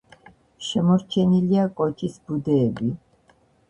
შემორჩენილია კოჭის ბუდეები.